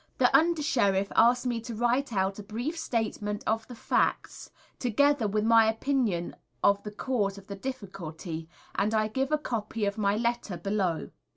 The Under Sheriff asked me to write out a brief statement of the facts, together with my opinion of the cause of the difficulty, and I give a copy of my letter below.